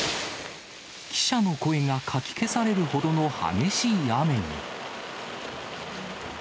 記者の声がかき消されるほどの激しい雨に。